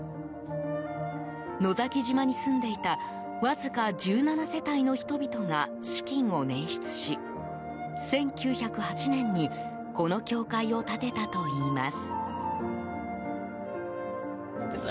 野崎島に住んでいたわずか１７世帯の人々が資金を捻出し、１９０８年にこの教会を建てたといいます。